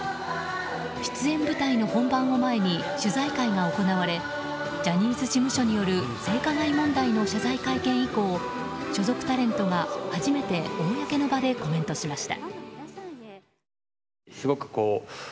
出演舞台の本番を前に取材会が行われジャニーズ事務所による性加害問題の謝罪会見以降所属タレントが初めて公の場でコメントしました。